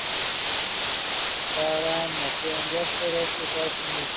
Conrad nació en Wooster, Ohio, Estados Unidos.